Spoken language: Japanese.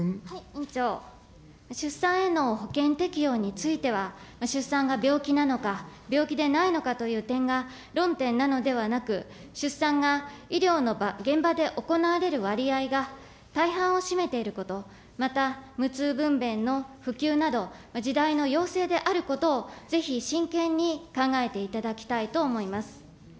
委員長、出産への保険適用については、出産が病気なのか、病気でないのかという点が論点なのではなく、出産が医療の場、現場で行われる割合が大半を占めていること、また、無痛分娩の普及など、時代の要請であることをぜひ真剣に考えていただきたいと思います。